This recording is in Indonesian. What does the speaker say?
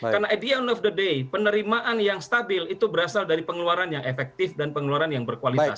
karena at the end of the day penerimaan yang stabil itu berasal dari pengeluaran yang efektif dan pengeluaran yang berkualitas